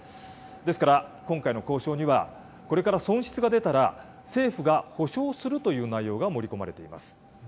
ですから、今回の交渉には、これから損失が出たら、政府が補償するという内容が盛り込まれています。